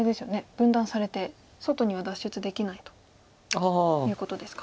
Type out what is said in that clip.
分断されて外には脱出できないということですか。